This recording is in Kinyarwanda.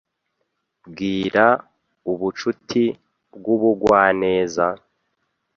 Bwira ubucuti bw'ubugwaneza;